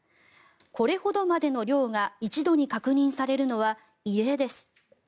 これほどまでの量が一度に確認されるのは異例です。